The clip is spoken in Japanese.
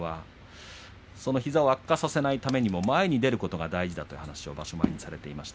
膝を悪化させないためにも前に出るということが大事だということを言っています。